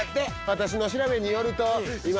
私の調べによると今。